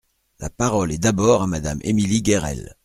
La parole est d’abord à Madame Émilie Guerel.